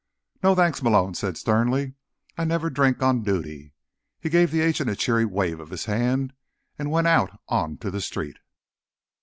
"No, thanks," Malone said sternly. "I never drink on duty." He gave the agent a cheery wave of his hand and went on out to the street.